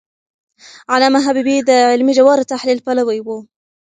علامه حبيبي د علمي ژور تحلیل پلوی و.